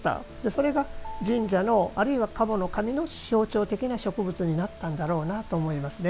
それが、神社のあるいは賀茂の神の象徴的な植物になったんだろうなと思いますね。